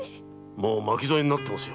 もう巻き添えになっていますよ